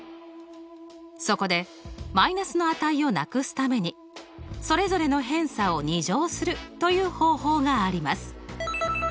そこでマイナスの値をなくすためにそれぞれの偏差を２乗するという方法があります。